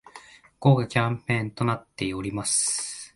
豪華キャンペーンとなっております